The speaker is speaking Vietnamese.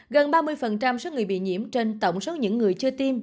gần ba mươi số người bị nhiễm trên tổng số những người chưa tiêm